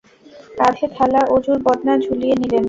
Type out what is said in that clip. কাঁধে থালা, ওজুর বদনা ঝুলিয়ে নিলেন।